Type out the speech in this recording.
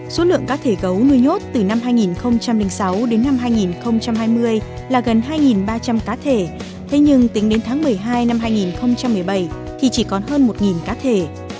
số lượng cá thể gấu nuôi nhốt từ năm hai nghìn sáu đến năm hai nghìn hai mươi là gần hai ba trăm linh cá thể thế nhưng tính đến tháng một mươi hai năm hai nghìn một mươi bảy thì chỉ còn hơn một cá thể